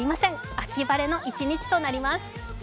秋晴れの一日となります。